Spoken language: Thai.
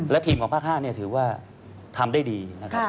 และทีมของภาค๕ถือว่าทำได้ดี